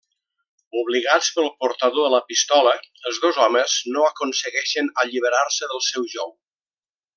Obligats pel portador de la pistola, els dos homes no aconsegueixen alliberar-se del seu jou.